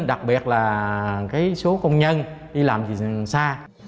đặc biệt là số công nhân đi làm gì xa